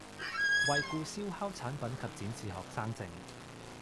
惠顧燒烤產品及展示學生證